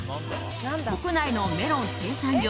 国内のメロン生産量